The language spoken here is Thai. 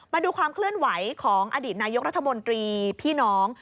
มาดูความเคลื่อนไหวของอดีตนายกรัฐมนตรีพี่น้อง